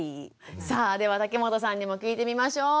さあでは竹本さんにも聞いてみましょう。